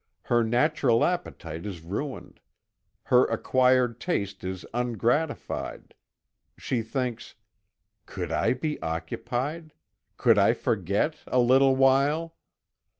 Her natural appetite is ruined; her acquired taste is ungratified. She thinks: "Could I be occupied! Could I forget, a little while!"